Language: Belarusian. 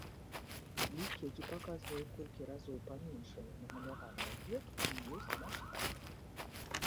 Лік, які паказвае, у колькі разоў паменшаны намаляваны аб'ект, і ёсць маштаб.